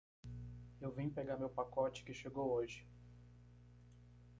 Eu vim pegar meu pacote que chegou hoje.